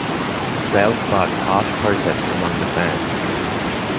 The sale sparked harsh protests among the fans.